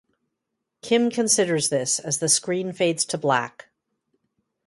Kim considers this as the screen fades to black.